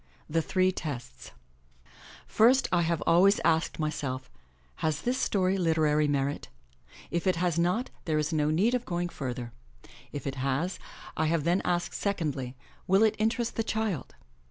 THE THREE TESTS |IRST I have always asked myself, "Has this story literary merit?" If it has not, there is no need of going further. If it has, I have then asked secondly, '*Will it interest the child?"